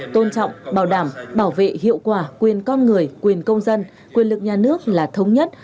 tôn trọng bảo đảm bảo hiệu quả quyền con người quyền công dân quyền lực nhà nước là thống nhất